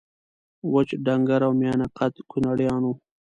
وچ ډنګر او میانه قده کونړیان وو